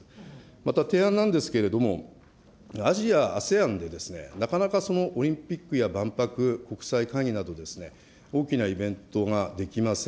また、提案なんですけれども、アジアＡＳＥＡＮで、なかなかオリンピックや万博、国際会議など、大きなイベントができません。